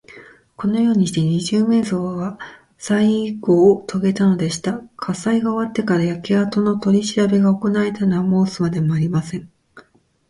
このようにして、二十面相はさいごをとげたのでした。火災が終わってから、焼けあとのとりしらべがおこなわれたのは申すまでもありません。